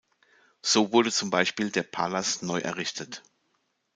So wurde zum Beispiel der Palas neu errichtet.